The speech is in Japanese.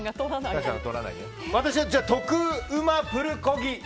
私は特うまプルコギ！